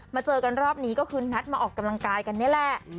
เจอกันรอบนี้ก็คือนัดมาออกกำลังกายกันนี่แหละ